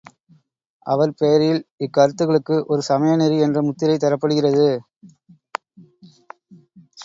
அவர் பெயரில் இக்கருத்துகளுக்கு ஒரு சமய நெறி என்ற முத்திரை தரப்படுகிறது.